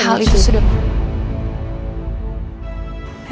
hal itu sudah